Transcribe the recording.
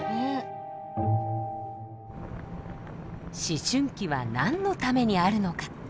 思春期は何のためにあるのか。